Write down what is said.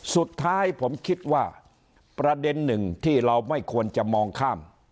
สุดท้ายผมคิดว่าประเด็นหนึ่งที่เราไม่ควรจะมองข้าม